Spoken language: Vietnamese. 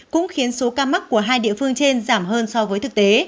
cũng khiến số ca mắc của hai địa phương trên giảm hơn so với thực tế